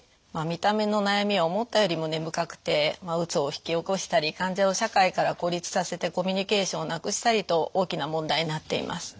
見た目の悩みは思ったよりも根深くてうつを引き起こしたり患者を社会から孤立させてコミュニケーションをなくしたりと大きな問題になっています。